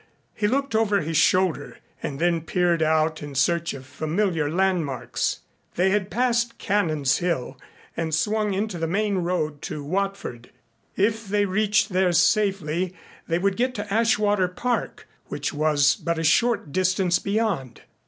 He looked over his shoulder and then peered out in search of familiar land marks. They had passed Canons Hill and swung into the main road to Watford. If they reached there safely they would get to Ashwater Park which was but a short distance beyond.